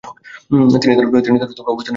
তিনি তার অবস্থানে সঠিক ছিলেন।